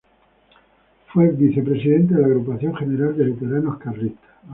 Fue vicepresidente de la Agrupación general de veteranos carlistas.